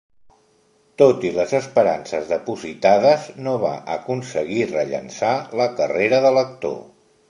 Tot i les esperances depositades, no va aconseguir rellançar la carrera de l'actor.